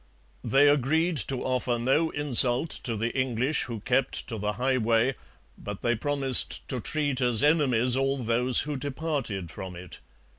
They agreed to offer no insult to the English who kept to the highway, but they promised to treat as enemies all those who departed from it.